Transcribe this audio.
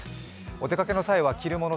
お出かけの際は着るもの